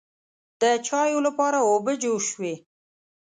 د چایو لپاره اوبه جوش شوې.